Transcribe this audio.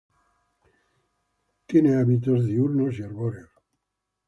Tiene hábitos diurnos y arbóreos.